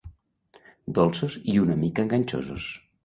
Dolços i una mica enganxosos.